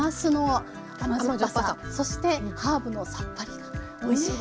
そしてハーブのさっぱりがおいしいですよね。